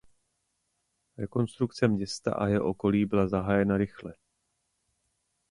Rekonstrukce města a jeho okolí byla zahájena rychle.